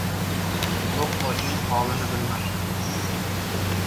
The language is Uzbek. • To‘q ochning holini bilmas.